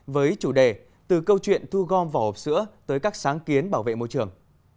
với chủ đề từ câu chuyện thu gom vỏ hộp sữa tới các sáng kiến bảo vệ môi trường